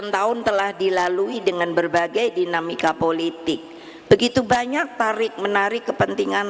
sembilan tahun telah dilalui dengan berbagai dinamika politik begitu banyak tarik menarik kepentingan